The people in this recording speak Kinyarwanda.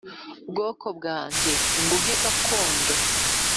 bwoko bwange nguhe gakondo